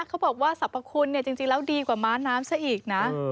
เขาบอกว่าสรรพคุณเนี่ยจริงแล้วดีกว่าม้าน้ำซะอีกนะ